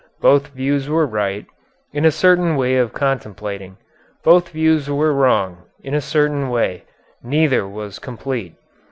Both views were right in a certain way of contemplating; both views were wrong in a certain way. Neither was complete.